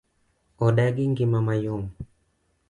Odagi ng'ima ma yom.